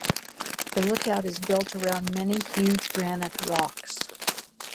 The lookout is built around many huge granite rocks.